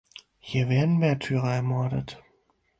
Hier werden Märtyrer ermordet.